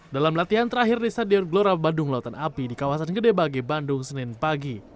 dalam latihan terakhir di stadion gelora bandung lautan api di kawasan gede bage bandung senin pagi